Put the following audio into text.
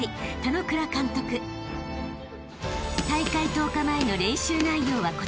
［大会１０日前の練習内容はこちら］